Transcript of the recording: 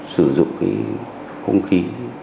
sử dụng cái không khí